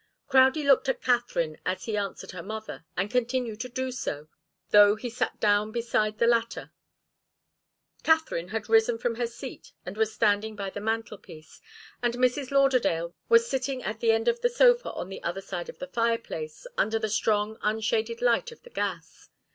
Crowdie looked at Katharine, as he answered her mother, and continued to do so, though he sat down beside the latter. Katharine had risen from her seat, and was standing by the mantelpiece, and Mrs. Lauderdale was sitting at the end of the sofa on the other side of the fireplace, under the strong, unshaded light of the gas.